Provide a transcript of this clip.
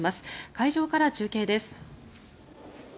会場から中継です。